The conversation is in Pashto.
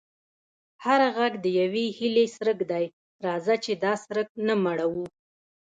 هر غږ د یوې هیلې څرک دی، راځه چې دا څرک نه مړوو.